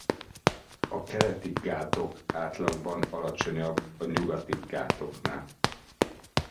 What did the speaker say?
A Keleti-Ghátok átlagban alacsonyabb a Nyugati-Ghátoknál.